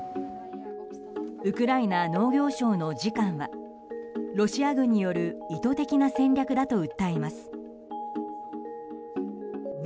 ウクライナ農業省の次官はロシア軍による意図的な戦略だと訴えます。